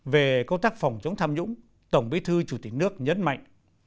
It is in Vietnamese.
về công tác phòng chống tham nhũng tổng bí thư chủ tịch nước nhấn mạnh